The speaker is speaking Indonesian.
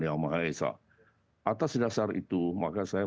yang maha esa atas dasar itu maka saya